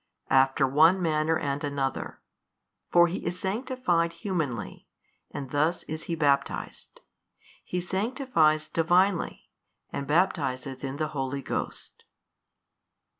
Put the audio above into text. After one manner and another; for He is sanctified humanly, and thus is He baptized: He sanctifies Divinely and baptizeth in the Holy Ghost.